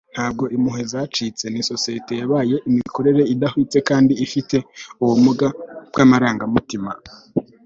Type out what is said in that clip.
ntabwo impuhwe zacitse, ni societe yabaye imikorere idahwitse kandi ifite ubumuga bwamarangamutima